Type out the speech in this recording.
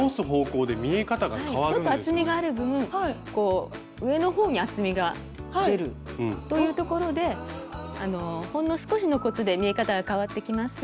ちょっと厚みがある分こう上の方に厚みが出るというところでほんの少しのコツで見え方が変わってきます。